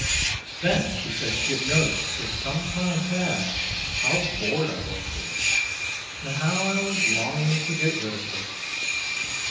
Then she said she had noticed for some time past how bored I was here, and how I was longing to get rid of her.